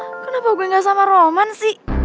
hah kenapa gue enggak sama roman sih